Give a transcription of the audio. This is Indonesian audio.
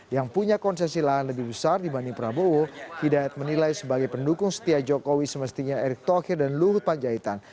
yang punya konsesi lahan lebih besar dibanding prabowo hidayat menilai sebagai pendukung setia jokowi semestinya erick thohir dan luhut panjaitan